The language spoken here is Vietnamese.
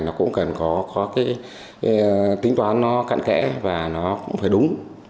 nó cũng cần có cái tính toán nó cạn kẽ và nó cũng phải đúng